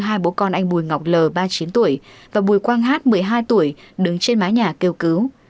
hai bố con anh bùi ngọc l ba mươi chín tuổi và bùi quang hát một mươi hai tuổi đứng trên mái nhà kêu cứu